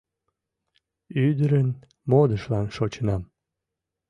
- Ӱдырын модышлан шочынам.